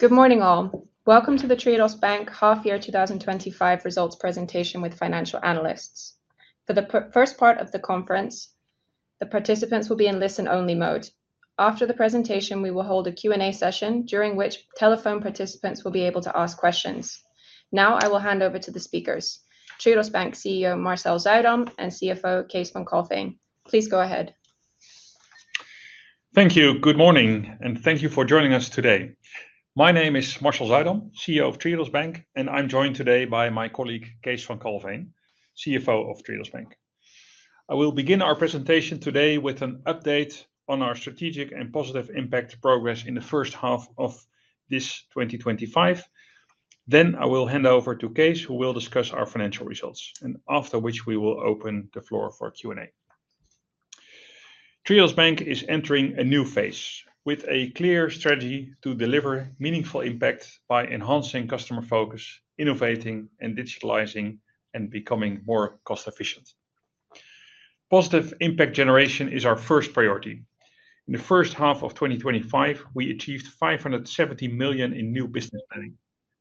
Good morning all. Welcome to the Triodos Bank Half Year 2025 Results Presentation with Financial Analysts. For the first part of the conference, the participants will be in listen-only mode. After the presentation, we will hold a Q&A session, during which telephone participants will be able to ask questions. Now, I will hand over to the speakers, Triodos Bank CEO Marcel Zuidam and CFO Kees van Kalveen. Please go ahead. Thank you. Good morning, and thank you for joining us today. My name is Marcel Zuidam, CEO of Triodos Bank, and I'm joined today by my colleague Kees van Kalveen, CFO of Triodos Bank. I will begin our presentation today with an update on our strategic and positive impact progress in the first half of this 2025. I will hand over to Kees, who will discuss our financial results, after which we will open the floor for Q&A. Triodos Bank is entering a new phase with a clear strategy to deliver meaningful impact by enhancing customer focus, innovating, digitalizing, and becoming more cost-efficient. Positive impact generation is our first priority. In the first half of 2025, we achieved €570 million in new business planning,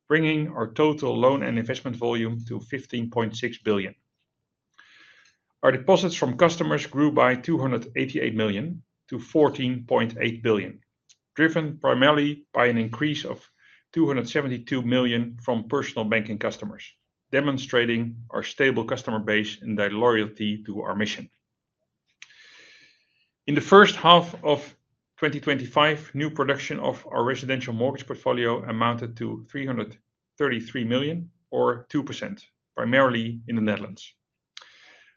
bringing our total loan and investment volume to €15.6 billion. Our deposits from customers grew by € million to €14.8 billion, driven primarily by an increase of €272 million from personal banking customers, demonstrating our stable customer base and their loyalty to our mission. In the first half of 2025, new production of our residential mortgage portfolio amounted to €333 million, or 2%, primarily in the Netherlands.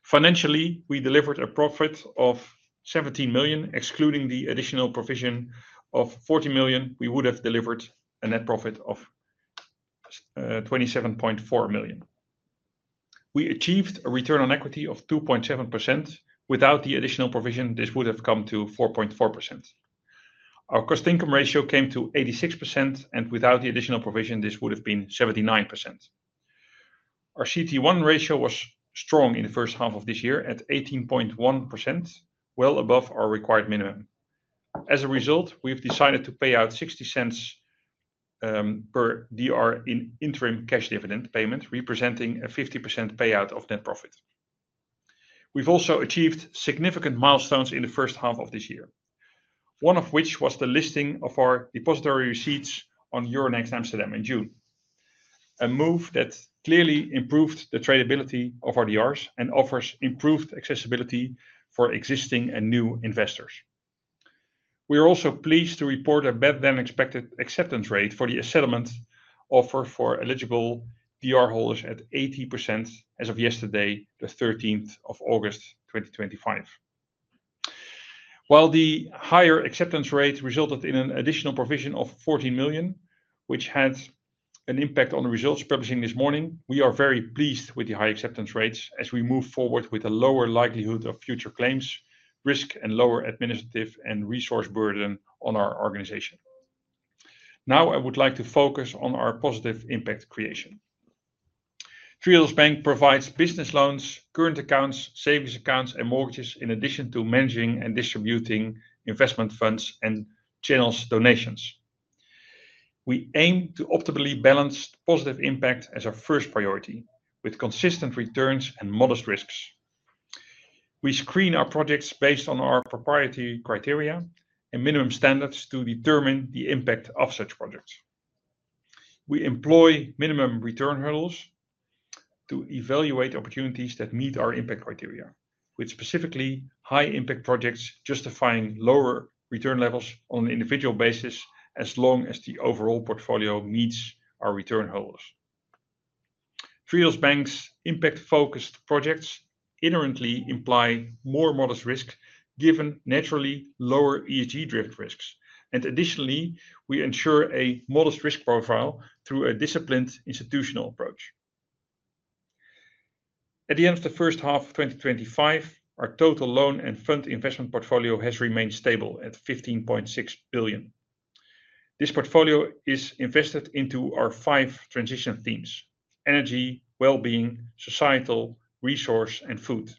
Financially, we delivered a profit of €17 million. Excluding the additional provision of €40 million, we would have delivered a net profit of €27.4 million. We achieved a return on equity of 2.7%. Without the additional provision, this would have come to 4.4%. Our cost-income ratio came to 86%, and without the additional provision, this would have been 79%. Our CET1 ratio was strong in the first half of this year at 18.1%, well above our required minimum. As a result, we've decided to pay out €0.60 per depository receipt in interim cash dividend payment, representing a 50% payout of net profit. We've also achieved significant milestones in the first half of this year, one of which was the listing of our depository receipts on Euronext Amsterdam in June, a move that clearly improved the tradability of our depository receipts and offers improved accessibility for existing and new investors. We are also pleased to report a better-than-expected acceptance rate for the settlement offer for eligible depository receipt holders at 80% as of yesterday, the 13th of August 2025. While the higher acceptance rate resulted in an additional provision of €14 million, which had an impact on the results we're publishing this morning, we are very pleased with the high acceptance rates as we move forward with a lower likelihood of future claims, risk, and lower administrative and resource burden on our organization. Now, I would like to focus on our positive impact creation. Triodos Bank provides business loans, current accounts, savings accounts, and mortgages in addition to managing and distributing investment funds and channel donations. We aim to optimally balance positive impact as our first priority with consistent returns and modest risks. We screen our projects based on our proprietary criteria and minimum standards to determine the impact of such projects. We employ minimum return hurdles to evaluate opportunities that meet our impact criteria, with specifically high-impact projects justifying lower return levels on an individual basis as long as the overall portfolio meets our return hurdles. Triodos Bank's impact-focused projects inherently imply more modest risk, given naturally lower ESG-driven risks. Additionally, we ensure a modest risk profile through a disciplined institutional approach. At the end of the first half of 2025, our total loan and investment portfolio has remained stable at €15.6 billion. This portfolio is invested into our five transition themes: energy, well-being, societal, resource, and food.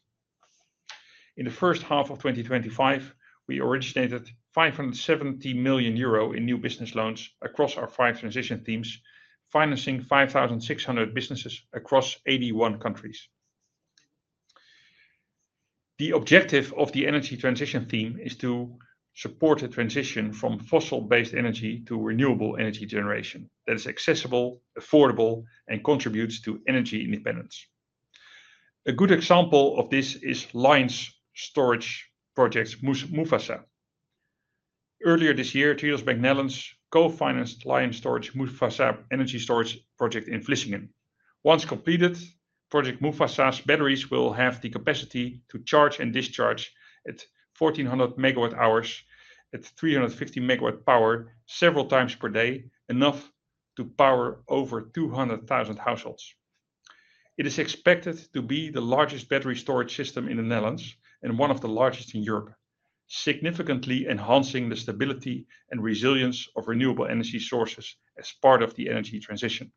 In the first half of 2025, we originated €570 million in new business loans across our five transition themes, financing 5,600 businesses across 81 countries. The objective of the energy transition theme is to support the transition from fossil-based energy to renewable energy generation that is accessible, affordable, and contributes to energy independence. A good example of this is Lion’s Storage Project Mufasa. Earlier this year, Triodos Bank Netherlands co-financed Lion’s Storage Mufasa energy storage project in Vlissingen. Once completed, Project Mufasa's batteries will have the capacity to charge and discharge at 1,400 megawatt hours at 350 megawatt power several times per day, enough to power over 200,000 households. It is expected to be the largest battery storage system in the Netherlands and one of the largest in Europe, significantly enhancing the stability and resilience of renewable energy sources as part of the energy transition.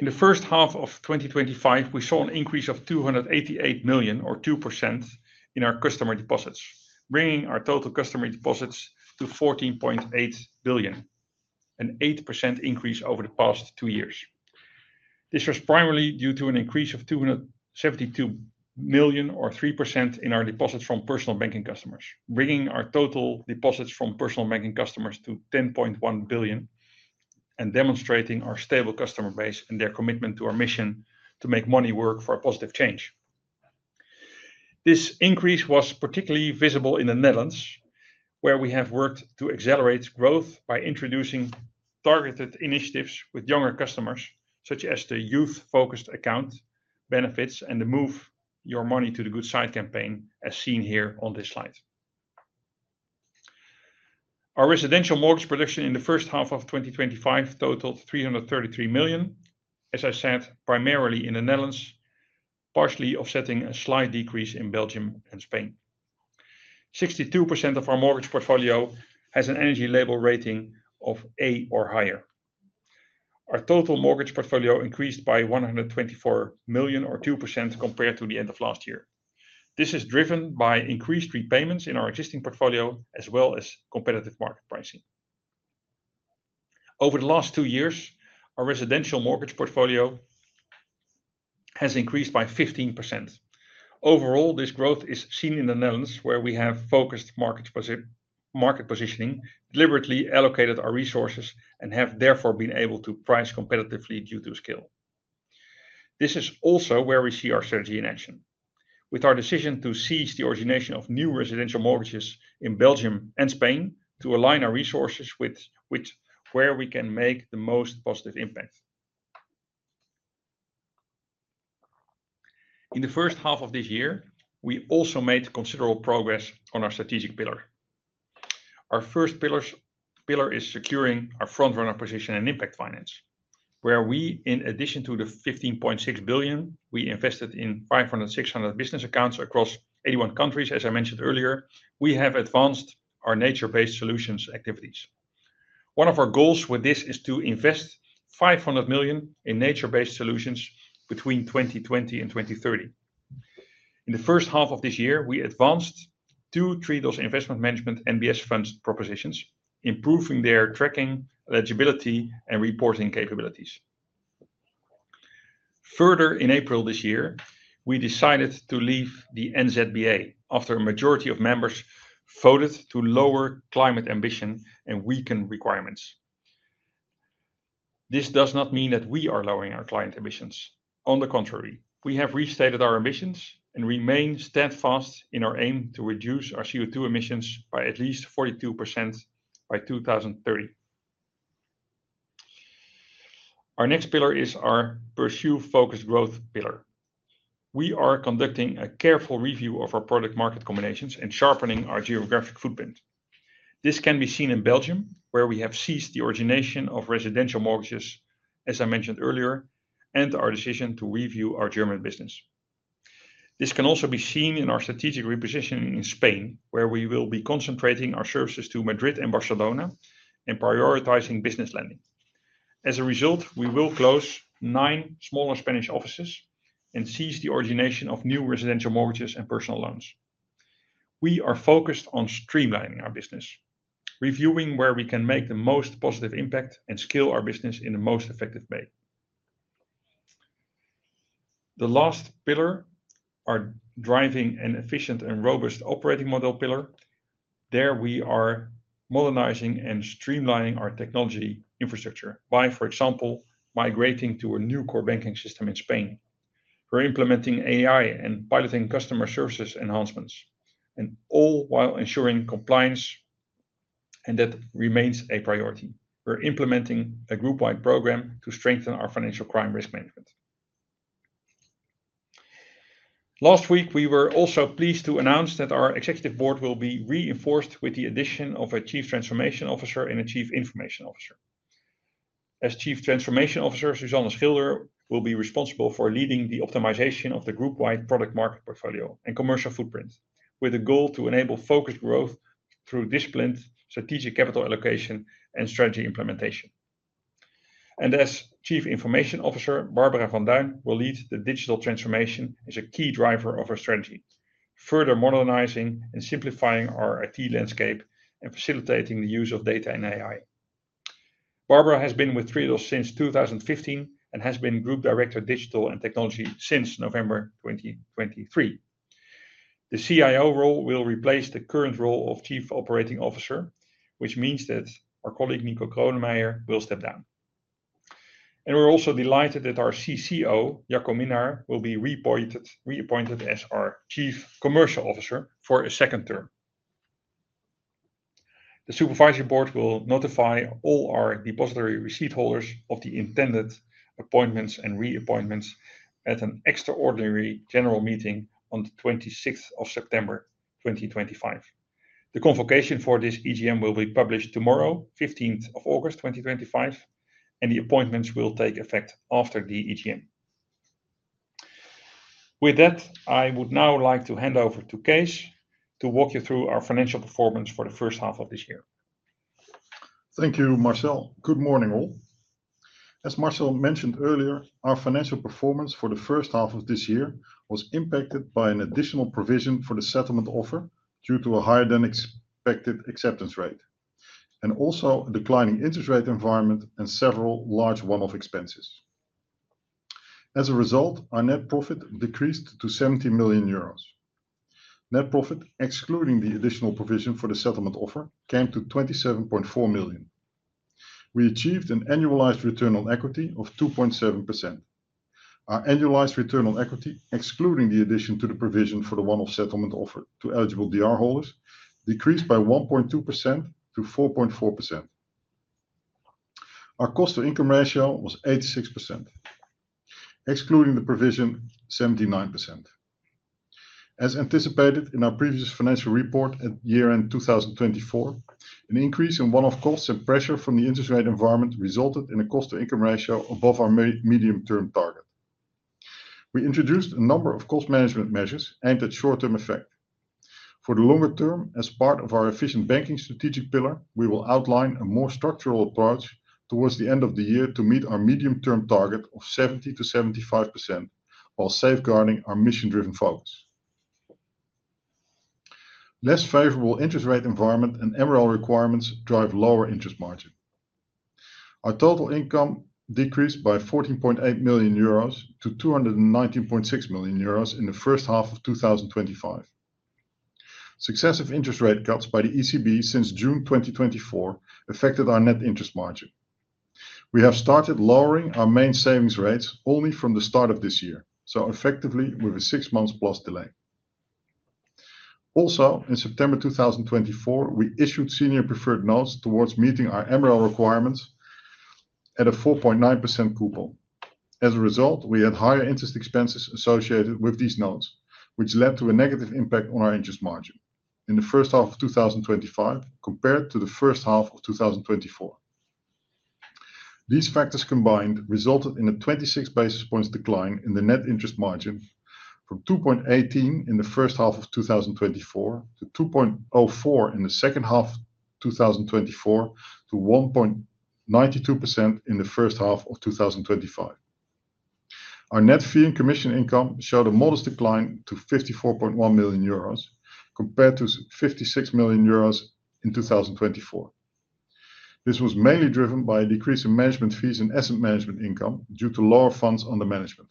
In the first half of 2025, we saw an increase of €288 million, or 2%, in our customer deposits, bringing our total customer deposits to €14.8 billion, an 8% increase over the past two years. This was primarily due to an increase of €272 million, or 3%, in our deposits from personal banking customers, bringing our total deposits from personal banking customers to €10.1 billion and demonstrating our stable customer base and their commitment to our mission to make money work for a positive change. This increase was particularly visible in the Netherlands, where we have worked to accelerate growth by introducing targeted initiatives with younger customers, such as the youth-focused account benefits and the Move Your Money to the Good Side campaign, as seen here on this slide. Our residential mortgage production in the first half of 2025 totaled €333 million, primarily in the Netherlands, partially offsetting a slight decrease in Belgium and Spain. 62% of our mortgage portfolio has an energy label rating of A or higher. Our total mortgage portfolio increased by €124 million, or 2%, compared to the end of last year. This is driven by increased repayments in our existing portfolio, as well as competitive market pricing. Over the last two years, our residential mortgage portfolio has increased by 15%. Overall, this growth is seen in the Netherlands, where we have focused market positioning, deliberately allocated our resources, and have therefore been able to price competitively due to skill. This is also where we see our synergy in action, with our decision to cease the origination of new residential mortgages in Belgium and Spain to align our resources with where we can make the most positive impact. In the first half of this year, we also made considerable progress on our strategic pillar. Our first pillar is securing our frontrunner position in impact finance, where we, in addition to the €15.6 billion we invested in 500 and 600 business accounts across 81 countries, as I mentioned earlier, we have advanced our nature-based solutions activities. One of our goals with this is to invest €500 million in nature-based solutions between 2020 and 2030. In the first half of this year, we advanced two Triodos Investment Management (NBS) funds propositions, improving their tracking, eligibility, and reporting capabilities. Further, in April this year, we decided to leave the NZBA after a majority of members voted to lower climate ambition and weaken requirements. This does not mean that we are lowering our climate ambitions. On the contrary, we have restated our ambitions and remain steadfast in our aim to reduce our CO2 emissions by at least 42% by 2030. Our next pillar is our Pursue Focused Growth pillar. We are conducting a careful review of our product-market combinations and sharpening our geographic footprint. This can be seen in Belgium, where we have ceased the origination of residential mortgages, as I mentioned earlier, and our decision to review our German business. This can also be seen in our strategic repositioning in Spain, where we will be concentrating our services to Madrid and Barcelona and prioritizing business lending. As a result, we will close nine smaller Spanish offices and cease the origination of new residential mortgages and personal loans. We are focused on streamlining our business, reviewing where we can make the most positive impact and scale our business in the most effective way. The last pillar is our Driving an Efficient and Robust Operating Model pillar. There we are modernizing and streamlining our technology infrastructure by, for example, migrating to a new core banking system in Spain. We're implementing AI and piloting customer services enhancements, all while ensuring compliance and that remains a priority. We're implementing a group-wide program to strengthen our financial crime risk management. Last week, we were also pleased to announce that our Executive Board will be reinforced with the addition of a Chief Transformation Officer and a Chief Information Officer. As Chief Transformation Officer, Suzanne Schilder will be responsible for leading the optimization of the group-wide product-market portfolio and commercial footprint, with a goal to enable focused growth through disciplined strategic capital allocation and strategy implementation. As Chief Information Officer, Barbara van Duijn will lead the digital transformation as a key driver of our strategy, further modernizing and simplifying our IT landscape and facilitating the use of data and AI. Barbara has been with Triodos Bank since 2015 and has been Group Director Digital and Technology since November 2023. The CIO role will replace the current role of Chief Operating Officer, which means that our colleague Nico Kronemeijer will step down. We're also delighted that our CCO, Jacco Minnaar, will be reappointed as our Chief Commercial Officer for a second term. The Supervisory Board will notify all our depository receipt holders of the intended appointments and reappointments at an Extraordinary General Meeting on the 26th of September 2025. The convocation for this EGM will be published tomorrow, 15th of August 2025, and the appointments will take effect after the EGM. With that, I would now like to hand over to Kees to walk you through our financial performance for the first half of this year. Thank you, Marcel. Good morning all. As Marcel mentioned earlier, our financial performance for the first half of this year was impacted by an additional provision for the settlement offer due to a higher than expected acceptance rate and also a declining interest rate environment and several large one-off expenses. As a result, our net profit decreased to €70 million. Net profit, excluding the additional provision for the settlement offer, came to €27.4 million. We achieved an annualized return on equity of 2.7%. Our annualized return on equity, excluding the addition to the provision for the one-off settlement offer to eligible DR holders, decreased by 1.2%-4.4%. Our cost-income ratio was 86%, excluding the provision, 79%. As anticipated in our previous financial report at year-end 2024, an increase in one-off costs and pressure from the interest rate environment resulted in a cost-income ratio above our medium-term target. We introduced a number of cost management measures aimed at short-term effect. For the longer term, as part of our Efficient Banking strategic pillar, we will outline a more structural approach towards the end of the year to meet our medium-term target of 70%-75% while safeguarding our mission-driven focus. Less favorable interest rate environment and MRR requirements drive lower interest margins. Our total income decreased by €14.8 million to €219.6 million in the first half of 2025. Successive interest rate cuts by the ECB since June 2024 affected our net interest margin. We have started lowering our main savings rates only from the start of this year, so effectively with a six-month-plus delay. Also, in September 2024, we issued senior preferred notes towards meeting our MRR requirements at a 4.9% coupon. As a result, we had higher interest expenses associated with these notes, which led to a negative impact on our interest margin in the first half of 2025 compared to the first half of 2024. These factors combined resulted in a 26 basis points decline in the net interest margin from €2.18 in the first half of 2024 to €2.04 in the second half of 2024 to 1.92% in the first half of 2025. Our net fee and commission income showed a modest decline to €54.1 million compared to €56 million in 2024. This was mainly driven by a decrease in management fees and asset management income due to lower funds under management.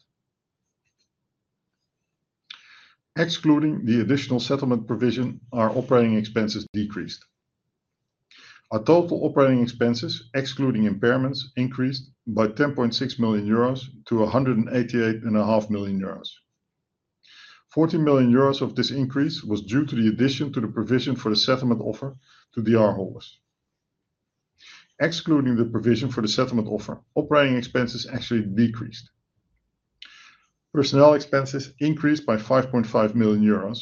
Excluding the additional settlement provision, our operating expenses decreased. Our total operating expenses, excluding impairments, increased by €10.6 million-€188.5 million. €40 million of this increase was due to the addition to the provision for the settlement offer to DR holders. Excluding the provision for the settlement offer, operating expenses actually decreased. Personnel expenses increased by €5.5 million,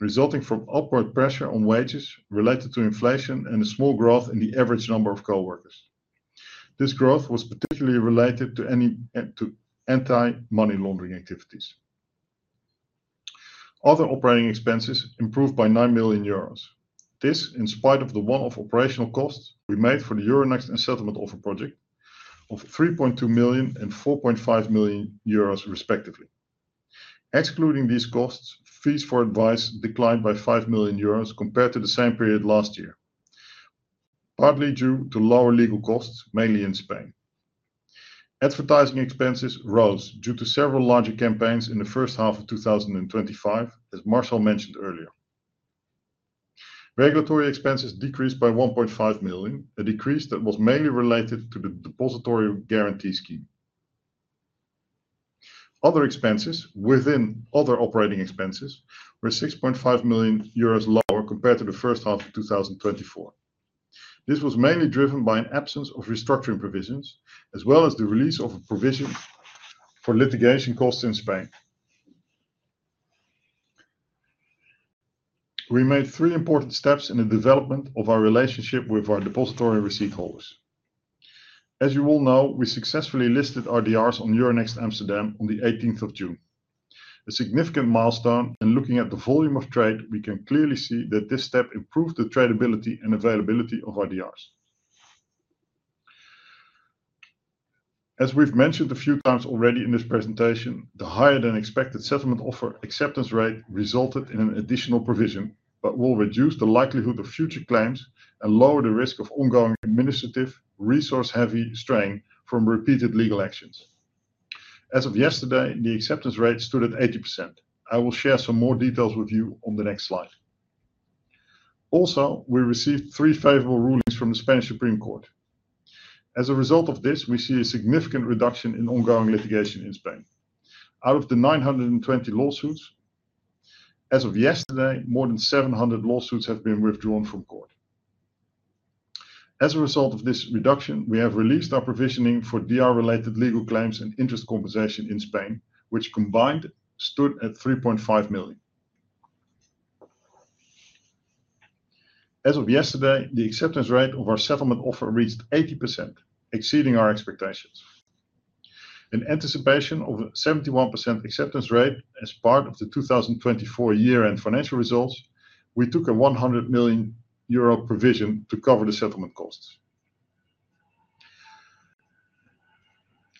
resulting from upward pressure on wages related to inflation and a small growth in the average number of coworkers. This growth was particularly related to anti-money laundering activities. Other operating expenses improved by €9 million. This was in spite of the one-off operational costs we made for the Euronext and settlement offer project of €3.2 million and €4.5 million respectively. Excluding these costs, fees for advice declined by €5 million compared to the same period last year, partly due to lower legal costs, mainly in Spain. Advertising expenses rose due to several larger campaigns in the first half of 2025, as Marcel mentioned earlier. Regulatory expenses decreased by €1.5 million, a decrease that was mainly related to the depository guarantee scheme. Other expenses within other operating expenses were €6.5 million lower compared to the first half of 2024. This was mainly driven by an absence of restructuring provisions, as well as the release of a provision for litigation costs in Spain. We made three important steps in the development of our relationship with our depository receipt holders. As you all know, we successfully listed our DRs on Euronext Amsterdam on the 18th of June, a significant milestone, and looking at the volume of trade, we can clearly see that this step improved the tradability and availability of our DRs. As we've mentioned a few times already in this presentation, the higher than expected settlement offer acceptance rate resulted in an additional provision that will reduce the likelihood of future claims and lower the risk of ongoing administrative resource-heavy strain from repeated legal actions. As of yesterday, the acceptance rate stood at 80%. I will share some more details with you on the next slide. Also, we received three favorable rulings from the Spanish Supreme Court. As a result of this, we see a significant reduction in ongoing litigation in Spain. Out of the 920 lawsuits, as of yesterday, more than 700 lawsuits have been withdrawn from court. As a result of this reduction, we have released our provisioning for DR-related legal claims and interest compensation in Spain, which combined stood at €3.5 million. As of yesterday, the acceptance rate of our settlement offer reached 80%, exceeding our expectations. In anticipation of a 71% acceptance rate as part of the 2024 year-end financial results, we took a €100 million provision to cover the settlement costs.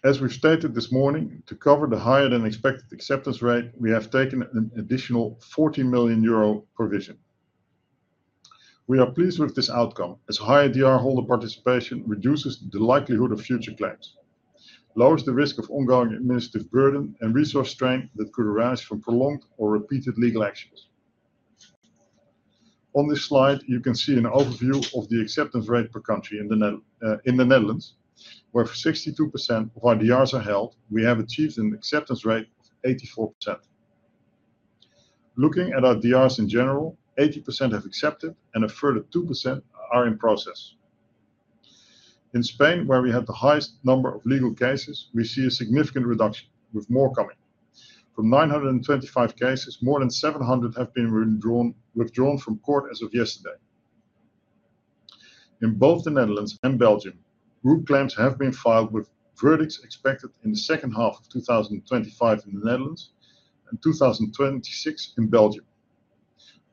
As we've stated this morning, to cover the higher than expected acceptance rate, we have taken an additional €40 million provision. We are pleased with this outcome, as higher DR holder participation reduces the likelihood of future claims, lowers the risk of ongoing administrative burden and resource strain that could arise from prolonged or repeated legal actions. On this slide, you can see an overview of the acceptance rate per country. In the Netherlands, where 62% of our DRs are held, we have achieved an acceptance rate of 84%. Looking at our DRs in general, 80% have accepted and a further 2% are in process. In Spain, where we had the highest number of legal cases, we see a significant reduction, with more coming. From 925 cases, more than 700 have been withdrawn from court as of yesterday. In both the Netherlands and Belgium, group claims have been filed with verdicts expected in the second half of 2025 in the Netherlands and 2026 in Belgium.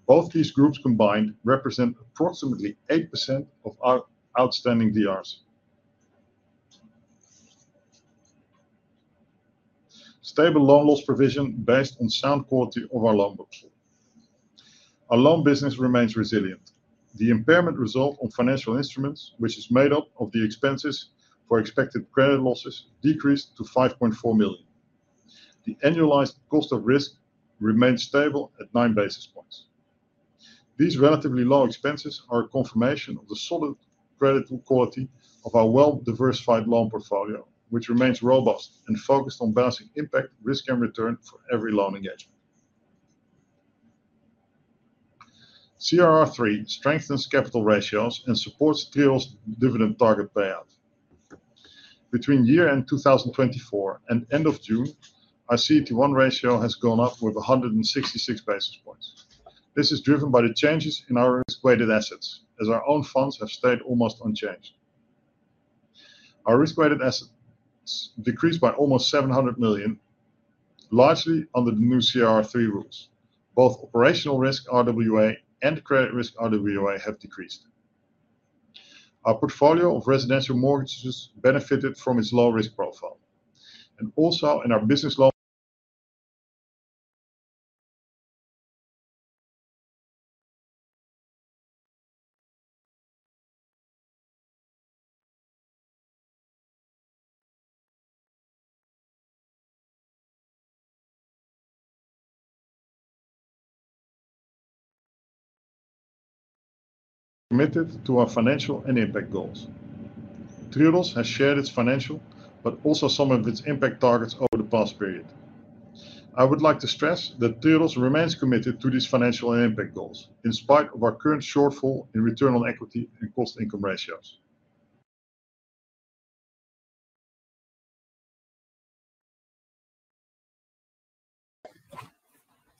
Both these groups combined represent approximately 8% of our outstanding DRs. Stable loan loss provision based on sound quality of our loan bookkeeping. Our loan business remains resilient. The impairment result on financial instruments, which is made up of the expenses for expected credit losses, decreased to €5.4 million. The annualized cost of risk remains stable at 9 basis points. These relatively low expenses are a confirmation of the solid credit quality of our well-diversified loan portfolio, which remains robust and focused on balancing impact, risk, and return for every loan engagement. CRR3 strengthens capital ratios and supports Triodos' dividend target payout. Between year-end 2024 and end of June, our CET1 ratio has gone up with 166 basis points. This is driven by the changes in our risk-weighted assets, as our own funds have stayed almost unchanged. Our risk-weighted assets decreased by almost €700 million, largely under the new CRR3 rules. Both operational risk RWA and credit risk RWA have decreased. Our portfolio of residential mortgages benefited from its low risk profile. In our business loan, we are committed to our financial and impact goals. Triodos has shared its financial, but also some of its impact targets over the past period. I would like to stress that Triodos remains committed to these financial and impact goals in spite of our current shortfall in return on equity and cost-income ratios.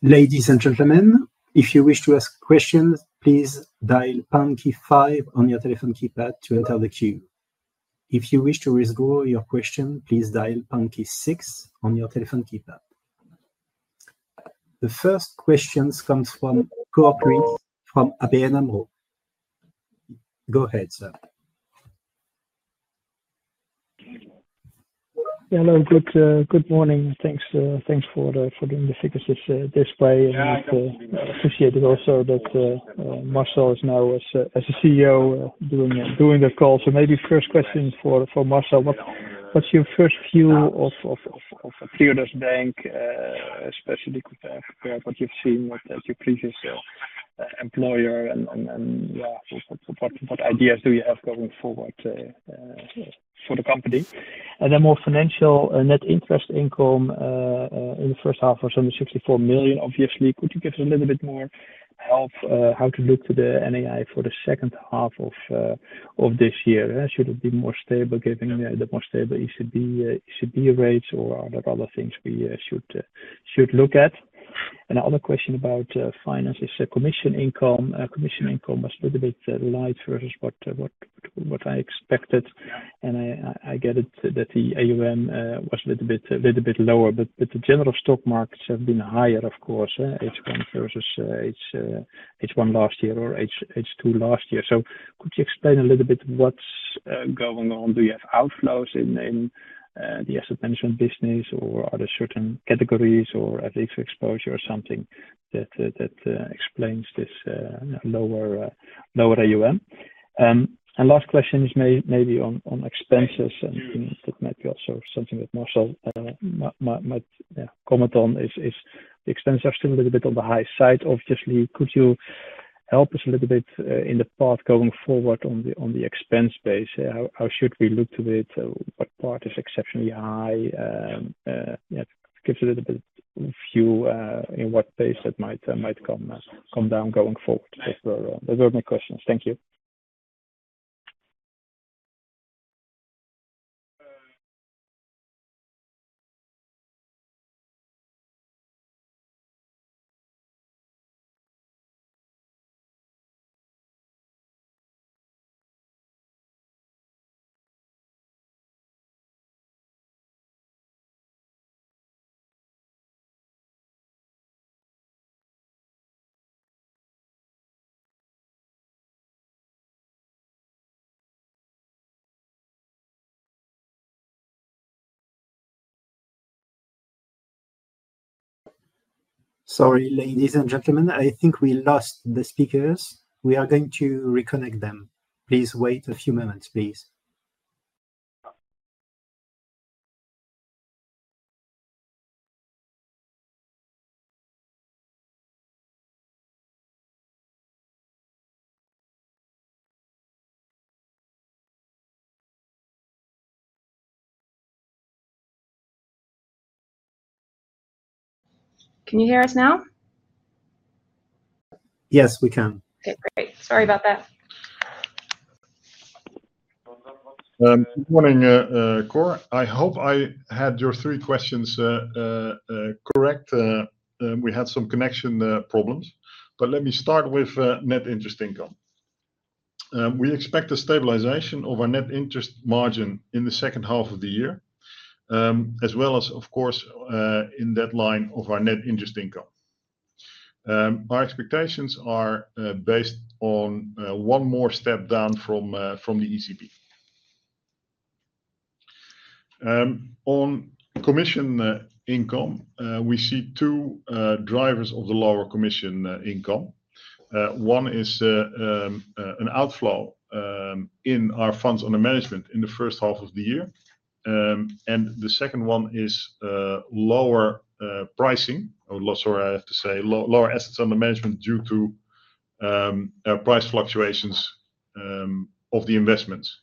Ladies and gentlemen, if you wish to ask questions, please dial one two five on your telephone keypad to enter the queue. If you wish to reserve your question, please dial one two six on your telephone keypad. The first question comes from [Floris] from ABN AMRO. Go ahead, sir. Hello, good morning. Thanks for doing the Q&A this way and for associating also that Marcel is now as CEO doing the call. Maybe first question for Marcel, what's your first view of Triodos Bank, especially compared to what you've seen at your previous employer? What ideas do you have going forward for the company? More financial, net interest income in the first half of 2024, €64 million obviously. Could you give us a little bit more help how to look to the NII for the second half of this year? Should it be more stable given the more stable ECB rates, or are there other things we should look at? The other question about finance is commission income. Commission income was a little bit light versus what I expected. I get it that the AUM was a little bit lower, but the general stock markets have been higher, of course, H1 versus H1 last year or H2 last year. Could you explain a little bit what's going on? Do you have outflows in the asset management business, or are there certain categories or FX exposure or something that explains this lower AUM? Last question is maybe on expenses, and that might be also something that Marcel might comment on. The expenses are still a little bit on the high side, obviously. Could you help us a little bit in the path going forward on the expense base? How should we look to it? What part is exceptionally high? Give us a little bit of a view in what base that might come down going forward. Those are my questions. Thank you. Sorry, ladies and gentlemen, I think we lost the speakers. We are going to reconnect them. Please wait a few moments. Can you hear us now? Yes, we can. Okay, great. Sorry about that. Morning, Cora. I hope I had your three questions correct. We had some connection problems. Let me start with net interest income. We expect a stabilization of our net interest margin in the second half of the year, as well as, of course, in that line of our net interest income. Our expectations are based on one more step down from the ECB. On commission income, we see two drivers of the lower commission income. One is an outflow in our funds under management in the first half of the year. The second one is lower pricing, or lower, sorry, I have to say, lower assets under management due to price fluctuations of the investments.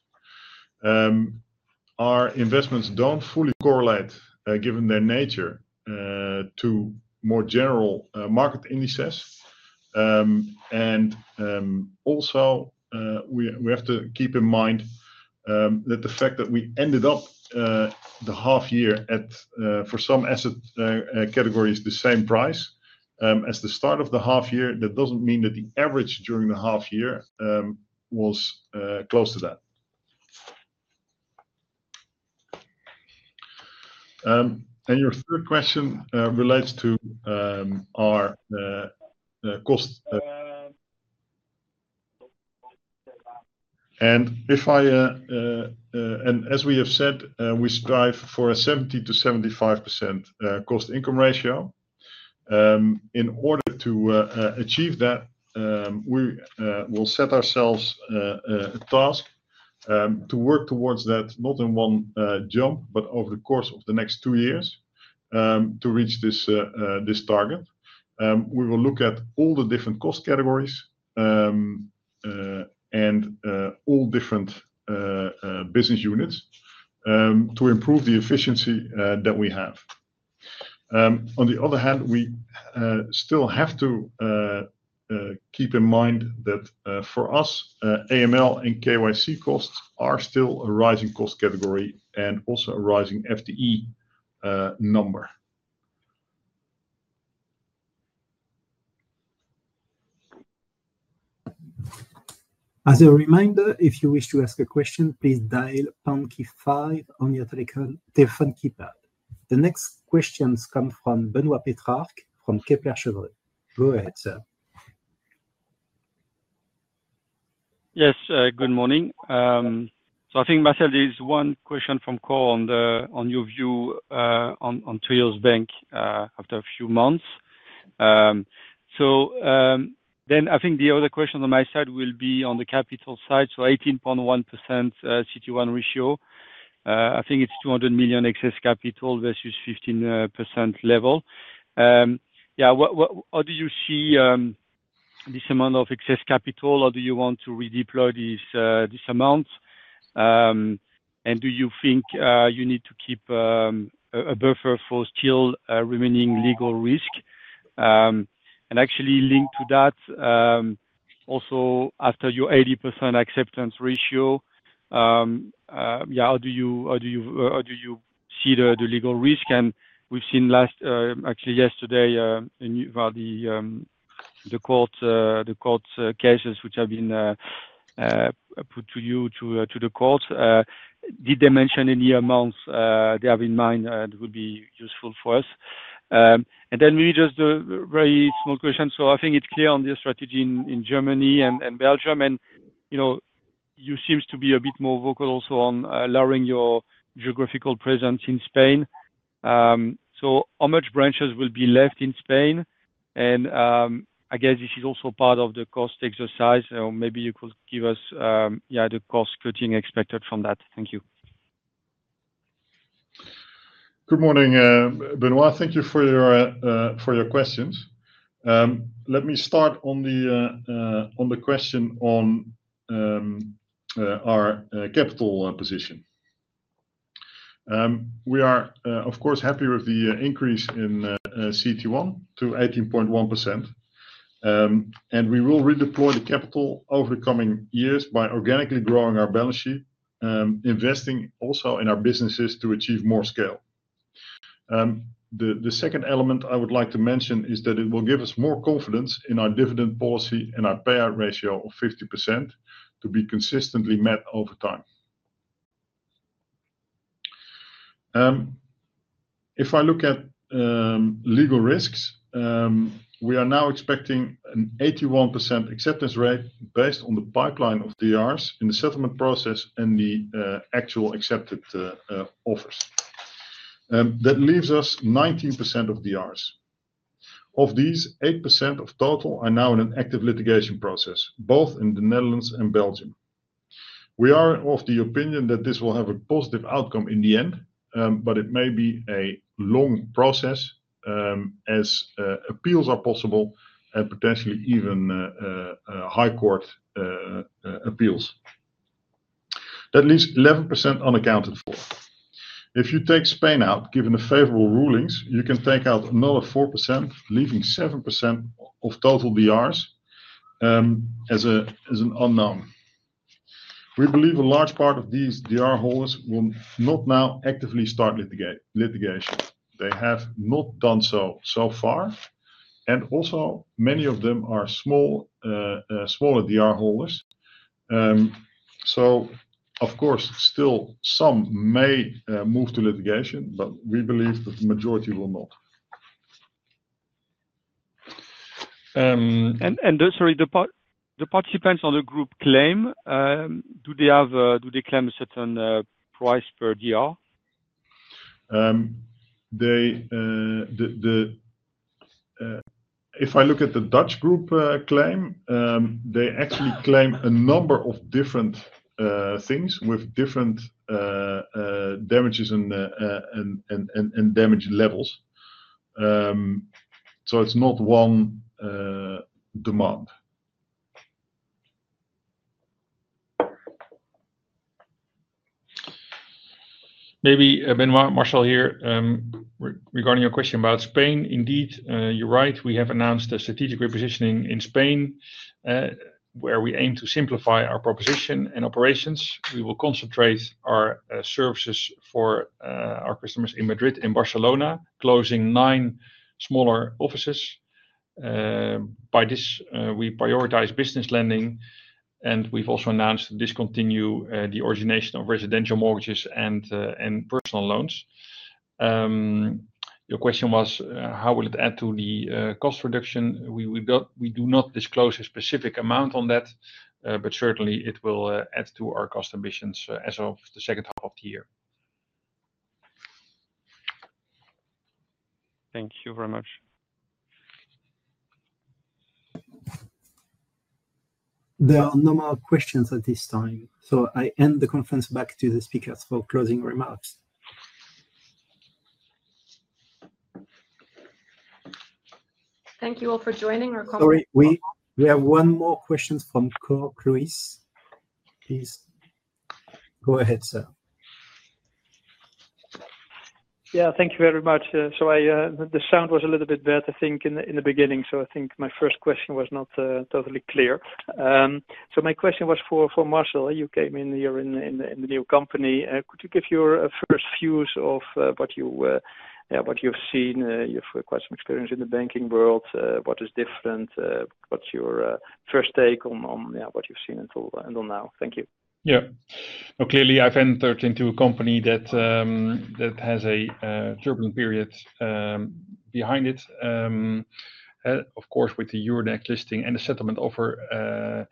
Our investments don't fully correlate, given their nature, to more general market indices. We have to keep in mind that the fact that we ended up the half year for some asset categories the same price as the start of the half year doesn't mean that the average during the half year was close to that. Your third question relates to our cost. As we have said, we strive for a 70% to 75% cost-income ratio. In order to achieve that, we will set ourselves a task to work towards that, not in one jump, but over the course of the next two years to reach this target. We will look at all the different cost categories and all different business units to improve the efficiency that we have. On the other hand, we still have to keep in mind that for us, AML and KYC costs are still a rising cost category and also a rising FTE number. As a reminder, if you wish to ask a question, please dial one two five on your telephone keypad. The next questions come from Benoît Pétrarque from Kepler Cheuvreux. Go ahead, sir. Yes, good morning. I think, Marcel, there is one question from Cor on your view on Triodos Bank after a few months. I think the other question on my side will be on the capital side. 18.1% CET1 ratio. I think it's €200 million excess capital versus 15% level. What do you see this amount of excess capital or do you want to redeploy this amount? Do you think you need to keep a buffer for still remaining legal risk? Actually, linked to that, also after your 80% acceptance ratio, how do you see the legal risk? We've seen yesterday the court cases which have been put to you, to the courts. Did they mention any amounts they have in mind that would be useful for us? Maybe just a very small question. I think it's clear on the strategy in Germany and Belgium. You seem to be a bit more vocal also on lowering your geographical presence in Spain. How many branches will be left in Spain? I guess this is also part of the cost exercise. Maybe you could give us the cost cutting expected from that. Thank you. Good morning, Benoît. Thank you for your questions. Let me start on the question on our capital position. We are, of course, happy with the increase in CET1 to 18.1%. We will redeploy the capital over the coming years by organically growing our balance sheet, investing also in our businesses to achieve more scale. The second element I would like to mention is that it will give us more confidence in our dividend policy and our payout ratio of 50% to be consistently met over time. If I look at legal risks, we are now expecting an 81% acceptance rate based on the pipeline of depository receipts in the settlement process and the actual accepted offers. That leaves us 19% of depository receipts. Of these, 8% of total are now in an active litigation process, both in the Netherlands and Belgium. We are of the opinion that this will have a positive outcome in the end, but it may be a long process as appeals are possible and potentially even high court appeals. That leaves 11% unaccounted for. If you take Spain out, given the favorable rulings, you can take out another 4%, leaving 7% of total depository receipts as an unknown. We believe a large part of these depository receipt holders will not now actively start litigation. They have not done so so far. Also, many of them are smaller depository receipt holders. Of course, still some may move to litigation, but we believe that the majority will not. Do the participants on the group claim claim a certain price per DR? If I look at the Dutch group claim, they actually claim a number of different things with different damages and damage levels. It's not one demand. Maybe Benoît, Marcel here, regarding your question about Spain. Indeed, you're right. We have announced a strategic repositioning in Spain where we aim to simplify our proposition and operations. We will concentrate our services for our customers in Madrid and Barcelona, closing nine smaller offices. By this, we prioritize business lending, and we've also announced to discontinue the origination of residential mortgages and personal loans. Your question was, how will it add to the cost reduction? We do not disclose a specific amount on that, but certainly, it will add to our cost ambitions as of the second half of the year. Thank you very much. There are no more questions at this time. I end the conference back to the speakers for closing remarks. Thank you all for joining our conference. Sorry, we have one more question from Cor. Please go ahead, sir. Thank you very much. The sound was a little bit bad, I think, in the beginning. I think my first question was not totally clear. My question was for Marcel. You came in here in the new company. Could you give your first views of what you've seen? You've quite some experience in the banking world. What is different? What's your first take on what you've seen until now? Thank you. Clearly, I've entered into a company that has a turbulent period behind it. Of course, with the Euronext Amsterdam listing and the settlement offer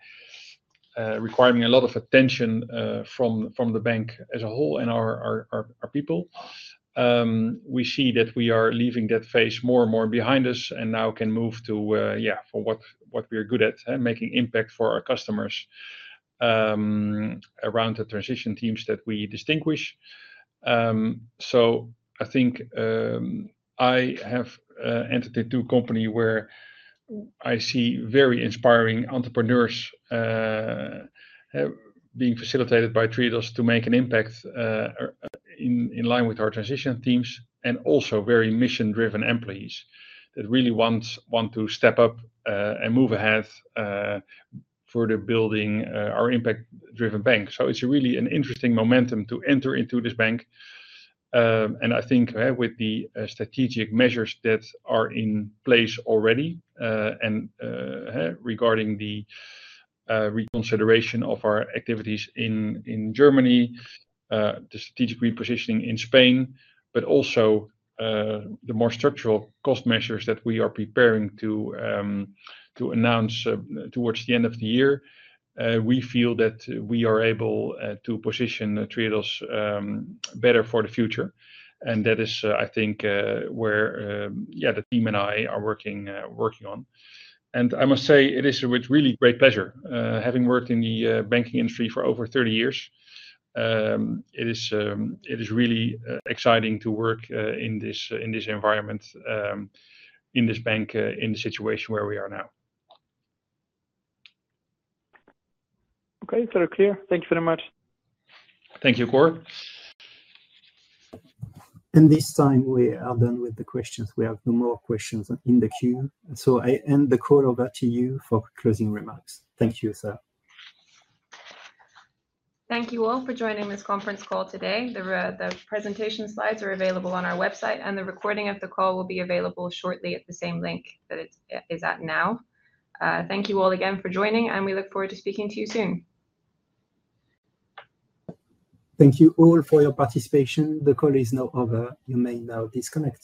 requiring a lot of attention from the bank as a whole and our people, we see that we are leaving that phase more and more behind us and now can move to, yeah, for what we are good at, making impact for our customers around the transition teams that we distinguish. I think I have entered into a company where I see very inspiring entrepreneurs being facilitated by Triodos to make an impact in line with our transition teams and also very mission-driven employees that really want to step up and move ahead for building our impact-driven bank. It's really an interesting momentum to enter into this bank. I think with the strategic measures that are in place already and regarding the reconsideration of our activities in Germany, the strategic repositioning in Spain, but also the more structural cost measures that we are preparing to announce towards the end of the year, we feel that we are able to position Triodos Bank better for the future. That is, I think, where the team and I are working on. I must say, it is with really great pleasure. Having worked in the banking industry for over 30 years, it is really exciting to work in this environment, in this bank, in the situation where we are now. Okay, very clear. Thank you very much. Thank you, Cor. We are done with the questions. We have two more questions in the queue. I end the call over to you for closing remarks. Thank you, sir. Thank you all for joining this conference call today. The presentation slides are available on our website, and the recording of the call will be available shortly at the same link that it is at now. Thank you all again for joining, and we look forward to speaking to you soon. Thank you all for your participation. The call is now over. You may now disconnect.